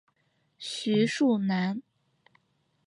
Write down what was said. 徐树楠。